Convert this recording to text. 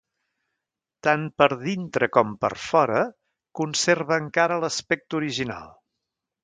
Tant per dintre com per fora, conserva encara l'aspecte original.